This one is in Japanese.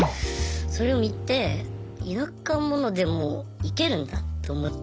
それを見て田舎者でもイケるんだと思って。